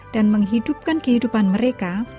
dan menghidupkan kehidupan mereka